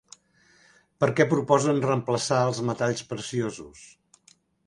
Per què proposen reemplaçar els metalls preciosos?